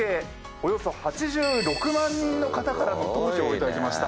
およそ８６万人の方からの投票を頂きました。